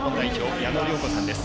矢野良子さんです。